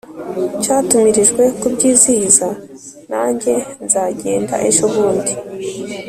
Cyatumirijwe kubyizihiza Na njye nzagenda ejobundi